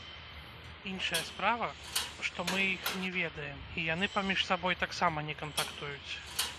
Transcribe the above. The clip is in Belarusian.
Іншая справа, што мы іх не ведаем, і яны паміж сабой таксама не кантактуюць.